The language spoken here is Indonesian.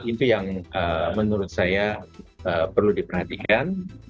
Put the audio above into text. itu yang menurut saya perlu diperhatikan